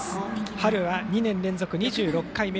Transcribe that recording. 春は２年連続２６回目。